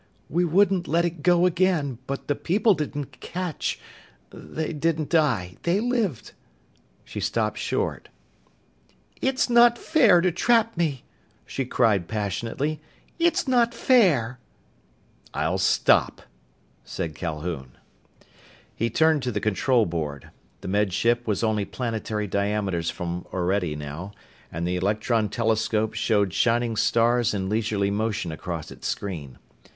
"We wouldn't let it go again. But the people didn't catch they didn't die. They lived " She stopped short. "It's not fair to trap me!" she cried passionately. "It's not fair!" "I'll stop," said Calhoun. He turned to the control board. The Med Ship was only planetary diameters from Orede, now, and the electron telescope showed shining stars in leisurely motion across its screen.